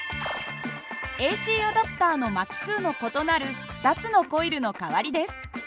ＡＣアダプターの巻き数の異なる２つのコイルの代わりです。